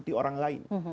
mengikuti orang lain